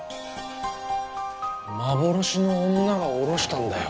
幻の女が下ろしたんだよ。